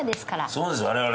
そうです我々